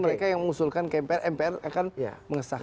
mereka yang mengusulkan ke mpr mpr akan mengesahkan